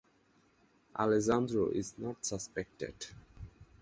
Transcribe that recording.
Alessandro is not suspected.